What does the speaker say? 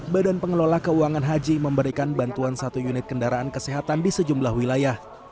badan pengelola keuangan haji memberikan bantuan satu unit kendaraan kesehatan di sejumlah wilayah